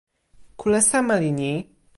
kule seme li ni?